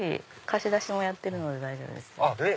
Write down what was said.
貸し出しもやってるので大丈夫ですよ。